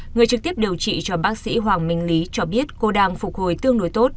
người trực tiếp điều trị cho bác sĩ hoàng minh lý cho biết cô đang phục hồi tương đối tốt